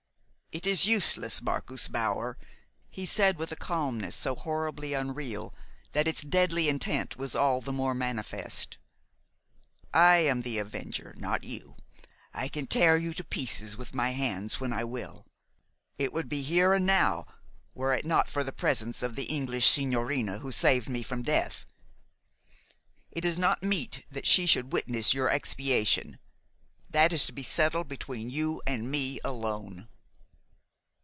"It is useless, Marcus Bauer," he said, with a calmness so horribly unreal that its deadly intent was all the more manifest. "I am the avenger, not you. I can tear you to pieces with my hands when I will. It would be here and now, were it not for the presence of the English sigñorina who saved me from death. It is not meet that she should witness your expiation. That is to be settled between you and me alone."